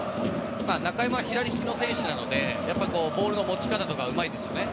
中山は左利きの選手なのでボールの持ち方とかもうまいんですよね。